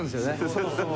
そうそう。